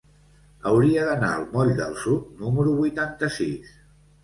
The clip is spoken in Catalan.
Hauria d'anar al moll del Sud número vuitanta-sis.